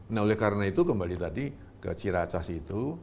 nah oleh karena itu kembali tadi ke ciracas itu